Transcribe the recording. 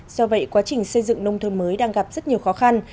do vậy quá trình xây dựng nông thôn mới đang gặp rất nhiều khó khăn